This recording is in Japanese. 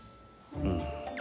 うん？